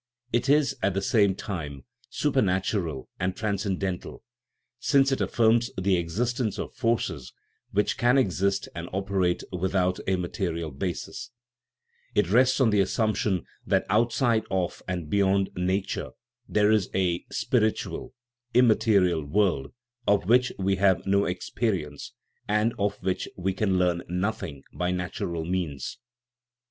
It is, at the same time, supernatural and transcendental, since it affirms the existence of forces which can exist and operate without a material basis ; it rests on the assumption that out side of and beyond nature there is a " spiritual," im material world, of which we have no experience, and of which we can learn nothing by natural means.